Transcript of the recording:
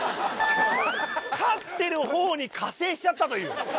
勝ってる方に加勢しちゃったという。